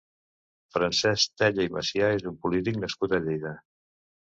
Francesc Tella i Macià és un polític nascut a Lleida.